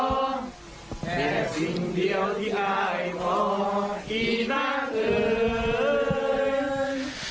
แค่สิ่งเดียวที่อ้ายขอคี่นาคืน